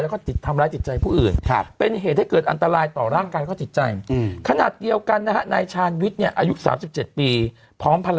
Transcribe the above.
ว่าหนูเอาไปเอาเงินฝัวกลับไปเลี้ยงฝัวใหม่